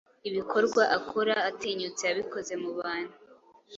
Ibikorwa akora atinyutseyabikoze mubantu